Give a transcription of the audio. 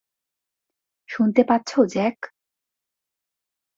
শুনতে পাচ্ছো, জ্যাক?